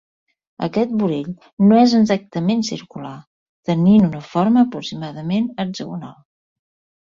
Aquest vorell no és exactament circular, tenint una forma aproximadament hexagonal.